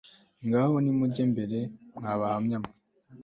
Ngaho nimujye mbere mwa Bahamya mwe